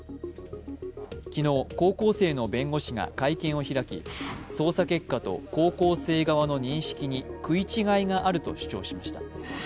昨日、高校生の弁護士が会見を開き捜査結果と高校生側の認識に食い違いがあると主張しました。